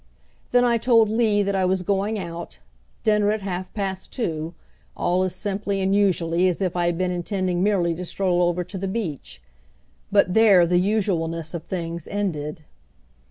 Then I told Lee that I was going out; dinner at half past two, all as simply and usually as if I had been intending merely to stroll over to the beach. But there the usualness of things ended.